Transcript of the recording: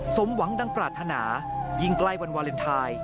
สมหวังดังปรารถนายิ่งใกล้วันวาเลนไทย